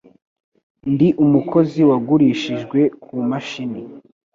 Ndi umukozi wagurishijwe kumashini.